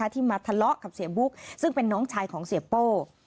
ที่มาทะเลาะกับเสียบุ๊กซึ่งเป็นน้องชายของเสียโป้